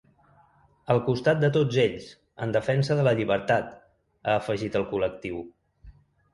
“Al costat de tots ells, en defensa de la llibertat”, ha afegit el col·lectiu.